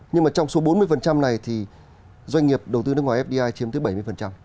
nhưng mà trong số bốn mươi phần trăm này thì doanh nghiệp đầu tư nước ngoài fdi chiếm tới bảy mươi phần trăm